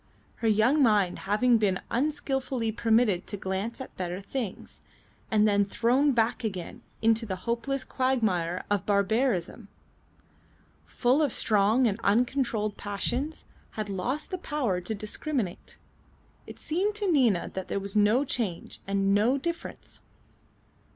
Her young mind having been unskilfully permitted to glance at better things, and then thrown back again into the hopeless quagmire of barbarism, full of strong and uncontrolled passions, had lost the power to discriminate. It seemed to Nina that there was no change and no difference.